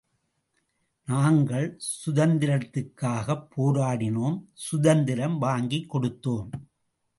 நாங்கள் சுதந்திரத்துக்காகப் போராடினோம், சுதந்திரம் வாங்கிக் கொடுத்தோம்.